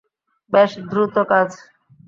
বেশ দ্রুত কাজ।